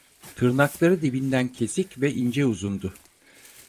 Tırnakları dibinden kesik ve ince uzundu.